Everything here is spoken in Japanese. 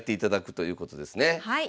はい。